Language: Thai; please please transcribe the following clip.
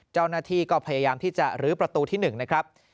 เจ้าหน้าที่ก็พยายามที่จะลื้อประตูที่๑นะครับ